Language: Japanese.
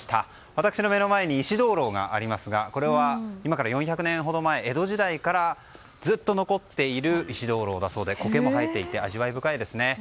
私の目の前に石灯籠がありますがこれは今から４００年ほど前江戸時代からずっと残っている石灯籠だそうでコケも生えていて味わい深いですね。